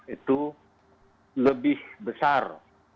itu lebih besar